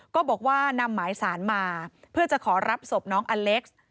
ก็บอกว่านำหมายสารมาเพื่อจะขอรับศพน้องอเล็กซ์